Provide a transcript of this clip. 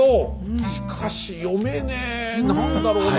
しかし読めねえ何だろうなあ。